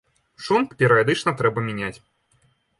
Шунт перыядычна трэба мяняць.